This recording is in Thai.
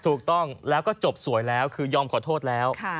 ถูกต้องแล้วก็จบสวยแล้วคือยอมขอโทษแล้ว